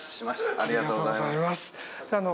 ありがとうございます。